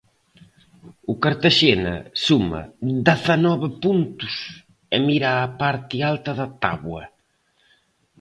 O Cartaxena suma dezanove puntos e mira a parte alta da táboa.